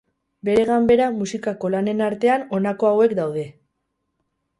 Bere ganbera musikako lanen artean, honako hauek daude.